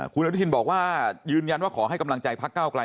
คุณอนุทินบอกว่ายืนยันว่าขอให้กำลังใจพักเก้าไกล